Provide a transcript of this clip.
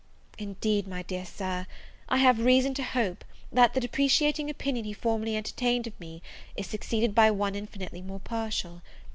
Indeed, my dear Sir, I have reason to hope, that the depreciating opinion he formerly entertained of me is succeeded by one infinitely more partial.